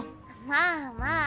まあまあ。